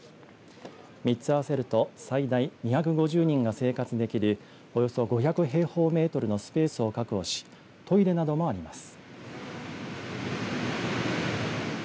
３つ合わせると最大２５０人が生活できるおよそ５００平方メートルのスペースを確保しトイレなどもあります。